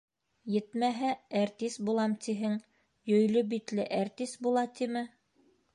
Етмәһә, әртис булам тиһең, йөйлө битле әртис була тиме?!